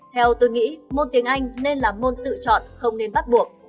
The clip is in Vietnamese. theo tôi nghĩ môn tiếng anh nên là môn tự chọn không nên bắt buộc